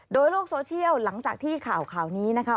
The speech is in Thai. โดยโลกโซเชียลหลังจากที่ข่าวนี้นะคะ